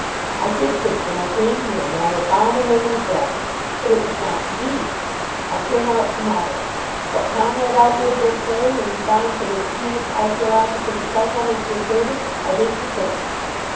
I did think, when I came here, that I had found a haven of rest, but it was not to be. I turn out to morrow. What Comrade Outwood will say, when he finds that his keenest archaeological disciple has deserted, I hate to think.